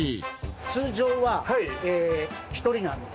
通常は１人なんです。